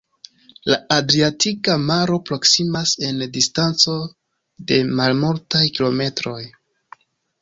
La Adriatika Maro proksimas en distanco de malmultaj kilometroj.